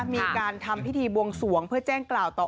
มีการทำพิธีบวงสวงเพื่อแจ้งกล่าวต่อ